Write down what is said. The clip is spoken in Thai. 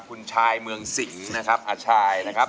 คุณชายเมืองสิงห์นะครับอาชายนะครับ